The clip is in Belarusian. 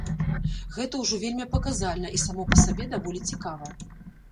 Гэта ўжо вельмі паказальна, і само па сабе даволі цікава.